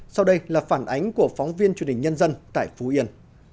sau đây là phản ánh của phóng viên truyền hình nhân dân tại phú yên